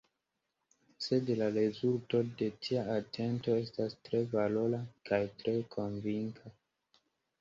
Sed la rezulto de tia atento estas tre valora – kaj tre konvinka.